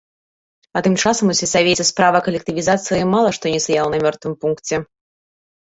А тым часам у сельсавеце справа калектывізацыі мала што не стаяла на мёртвым пункце.